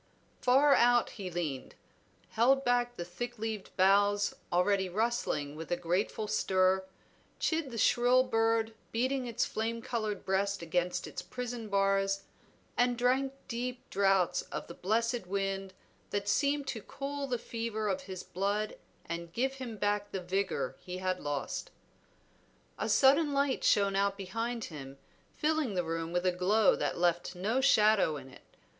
Far out he leaned; held back the thick leaved boughs already rustling with a grateful stir, chid the shrill bird beating its flame colored breast against its prison bars, and drank deep draughts of the blessed wind that seemed to cool the fever of his blood and give him back the vigor he had lost. A sudden light shone out behind him filling the room with a glow that left no shadow in it.